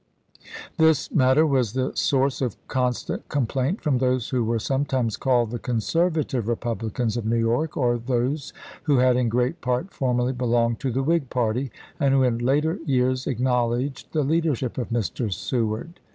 This matter was the source of constant complaint from those who were sometimes called the Conservative Eepublicans of New York, or those who had in great part formerly belonged to the Whig party, and who in later years acknowledged the leadership of Mr. Seward.